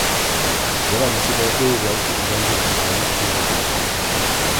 Byla nositelkou vlajky Ugandy při slavnostním zakončení.